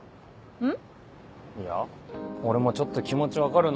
うん。